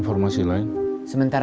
something keren juga